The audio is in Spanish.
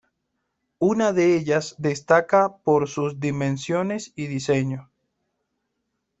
Una de ellas destaca por sus dimensiones y diseño.